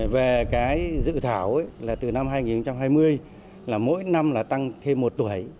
về cái dự thảo là từ năm hai nghìn hai mươi là mỗi năm là tăng thêm một tuổi